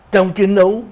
trong chiến đấu